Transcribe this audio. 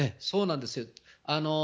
そうなんですよ。